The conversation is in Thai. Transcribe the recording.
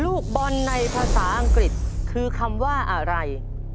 ลูกบอลในภาษาอังกฤษคือคำว่าอะไร